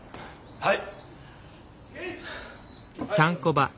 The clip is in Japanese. はい！